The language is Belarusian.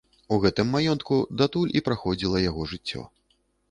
У гэтым маёнтку датуль і праходзіла яго жыццё.